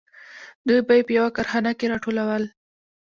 دوی به یې په یوه کارخانه کې راټولول